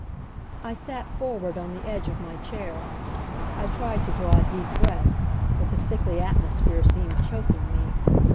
I sat forward on the edge of my chair. I tried to draw a deep breath, but the sickly atmosphere seemed choking me.